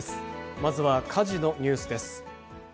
まずは火事のニュースです。